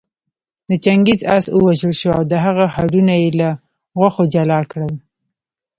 د چنګېز آس ووژل شو او د هغه هډونه يې له غوښو جلا کړل